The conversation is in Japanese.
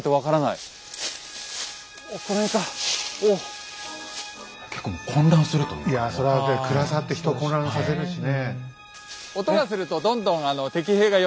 いやそれは暗さって人を混乱させるしねえ。